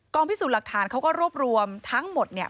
พิสูจน์หลักฐานเขาก็รวบรวมทั้งหมดเนี่ย